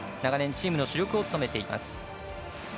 長年チームの主力を務めています。